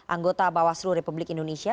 anggota bawaslu republik indonesia